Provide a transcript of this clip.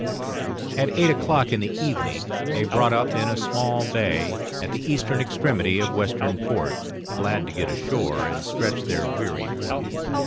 At eight o'clock in the evening they brought up in a small bay at the eastern extremity of Western Port, glad to get ashore and stretch their weary limbs.